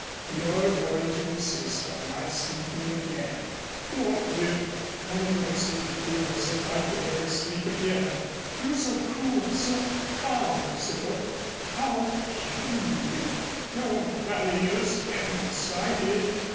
You're going to insist on my sleeping again!" "Won't you?" "I don't seem to feel as if I could ever sleep again. You're so cool, so calm, Cyril. How can you be?" "No bally use gettin' excited.